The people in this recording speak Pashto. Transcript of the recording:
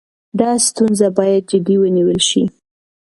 دا ستونزه باید جدي ونیول شي.